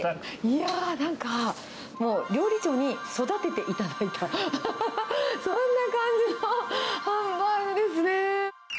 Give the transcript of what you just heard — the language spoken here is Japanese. いやー、なんか、もう料理長に育てていただいた、そんな感じのハンバーグですね。